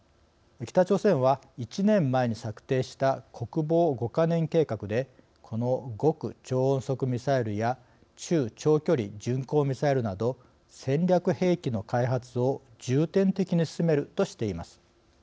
北朝鮮は１年前に策定した国防５か年計画でこの極超音速ミサイルや中長距離巡航ミサイルなど戦略兵器の開発を重点的に進めるとしています。